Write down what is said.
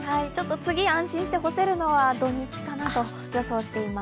次、安心して干せるのは土日かなと予想しています。